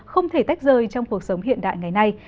không thể tách rời trong cuộc sống hiện đại ngày nay